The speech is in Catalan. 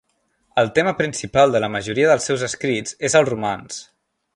El tema principal de la majoria dels seus escrits és el romanç.